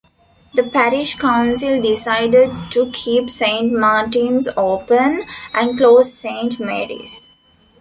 The parish council decided to keep Saint Martin's open, and close Saint Mary's.